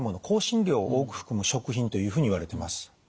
香辛料を多く含む食品というふうにいわれてます。